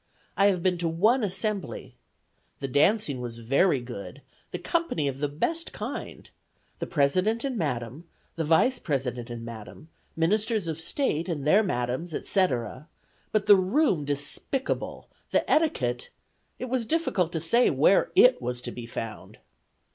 I have been to one assembly. The dancing was very good; the company of the best kind. The President and Madam, the Vice President and Madam, Ministers of State, and their Madams, etc.; but the room despicable; the etiquette, it was difficult to say where it was to be found."